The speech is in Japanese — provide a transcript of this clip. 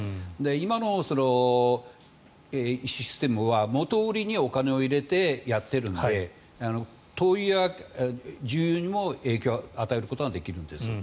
今のシステムは元売りにお金を入れてやっているので灯油や重油にも影響を与えることができるんです。